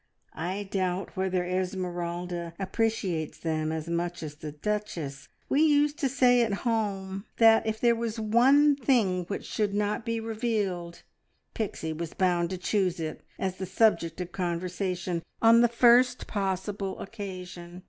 "I doubt whether Esmeralda appreciates them as much as the Duchess. We used to say at home that if there was one thing which should not be revealed, Pixie was bound to choose it as the subject of conversation on the first possible occasion!